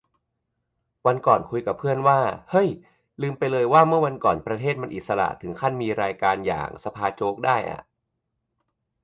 วันก่อนคุยกับเพื่อนว่า เฮ้ย ลืมไปเลยว่าเมื่อก่อนประเทศมันอิสระถึงขั้นมีรายการอย่าง สภาโจ๊ก ได้อ่ะ